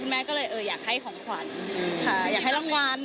แม่ก็เลยอยากให้ของขวัญค่ะอยากให้รางวัล